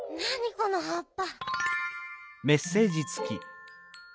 このはっぱ。